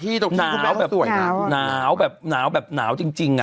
ที่ตรงลิ้งคุณแม่เขาสวยครับนาวแบบนาวจริงอ่ะ